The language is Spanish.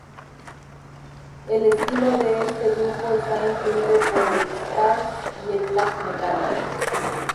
El estilo de este grupo está influido por el thrash y el black metal.